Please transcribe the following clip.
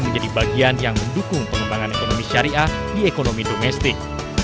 menjadi bagian yang mendukung pengembangan ekonomi syariah di ekonomi domestik